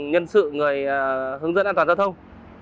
nhân sự người hướng dẫn an toàn giao thông